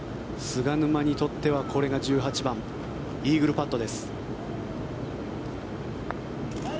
菅沼にとっては１８番イーグルパットです。